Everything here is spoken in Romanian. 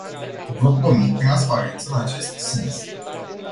Vă promit transparență în acest sens.